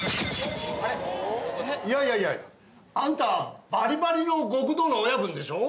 いやいやあんたバリバリの極道の親分でしょ？